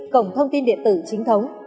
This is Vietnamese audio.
cộng thông tin điện tử chính thống